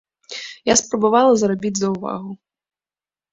Я спрабавала зрабіць заўвагу.